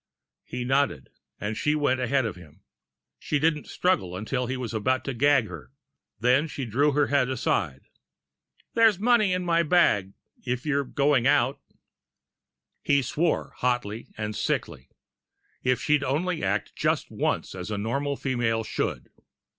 He nodded, and she went ahead of him. She didn't struggle, until he was about to gag her. Then she drew her head aside. "There's money in my bag, if you're going out." He swore, hotly and sickly. If she'd only act just once as a normal female should!